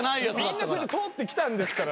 みんな通ってきたんですから。